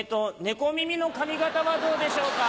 猫耳の髪形はどうでしょうか？